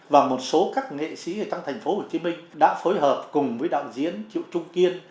và một số các nghệ sĩ ở trong thành phố hồ chí minh đã phối hợp cùng với đạo diễn triều trung kiên